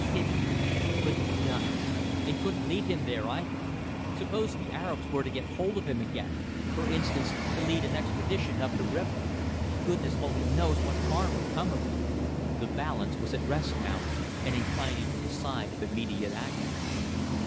Pity. Couldn't be done. And couldn't leave him there either! Suppose the Arabs were to get hold of him again for instance to lead an expedition up the river! Goodness only knows what harm would come of it. ... The balance was at rest now and inclining to the side of immediate action.